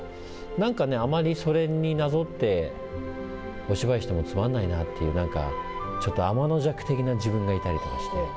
なんか、あまりそれになぞってお芝居してもつまんないなっていう、ちょっとあまのじゃく的な自分がいたりして。